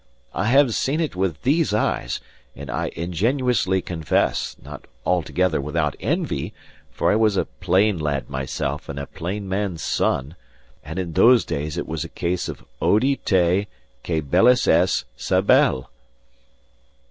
I have seen it with these eyes, and I ingenuously confess, not altogether without envy; for I was a plain lad myself and a plain man's son; and in those days it was a case of Odi te, qui bellus es, Sabelle."